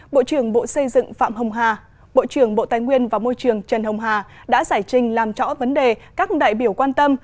bộ trưởng bộ xây dựng phạm hồng hà bộ trưởng bộ tài nguyên và môi trường trần hồng hà đã giải trình làm rõ vấn đề các đại biểu quan tâm